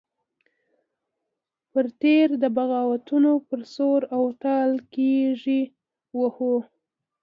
پر تېر د بغاوتونو پر سور او تال کرېږې وهو.